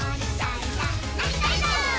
「のりたいぞ！」